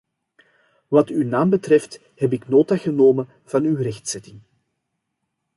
Wat uw naam betreft heb ik nota genomen van uw rechtzetting.